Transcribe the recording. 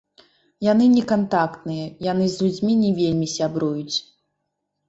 Яны не кантактныя, яны з людзьмі не вельмі сябруюць.